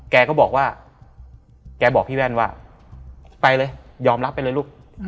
แกก็บอกว่าแกบอกพี่แว่นว่าไปเลยยอมรับไปเลยลูก